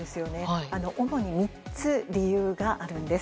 主に３つ理由があるんです。